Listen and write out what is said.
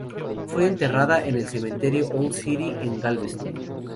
Fue enterrada en el cementerio Old City, en Galveston.